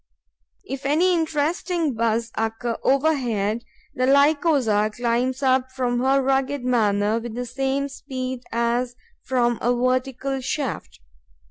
If any interesting buzz occur overhead, the Lycosa climbs up from her rugged manor with the same speed as from a vertical shaft.